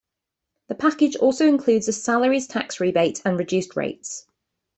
The package also includes a salaries tax rebate, and reduced rates.